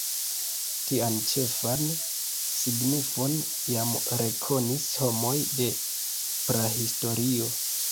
Tian ĉefan signifon jam rekonis homoj de prahistorio.